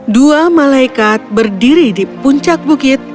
dua malaikat berdiri di puncak bukit